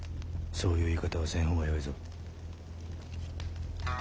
そういう言い方はせん方がよいぞ。